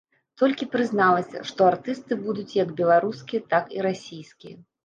Толькі прызналася, што артысты будуць як беларускія, так і расійскія.